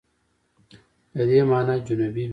د دې مانا جنوبي بیزو ده.